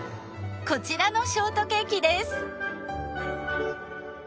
こちらのショートケーキです。